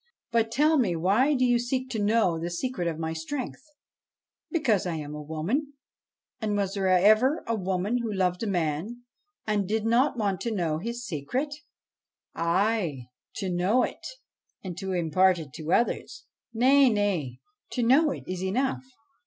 But, tell me, why do you seek to know the secret of my strength ?'' Because I am a woman ; and was there ever a woman who loved a man and did not want to know his secret?' ' Ay to know it, and to impart it to others.' 1 Nay, nay ; to know it is enough.